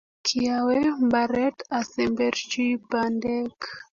kiawe mbaret asemberchi bandek